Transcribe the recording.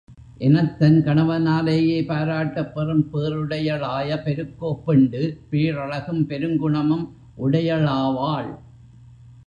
எனத் தன் கணவனாலேயே பாராட்டப் பெறும் பேறுடையளாய பெருங்கோப்பெண்டு, பேரழகும், பெருங்குணமும் உடையளாவாள்.